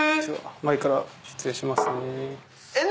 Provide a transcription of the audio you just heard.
前から失礼しますね。